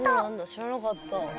知らなかったです